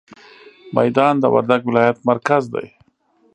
ميدان د وردګ ولايت مرکز دی.